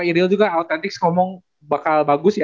iriel juga autentis ngomong bakal bagus ya